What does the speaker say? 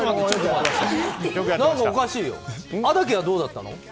どうだったの？